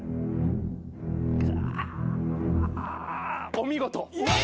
「お見事！」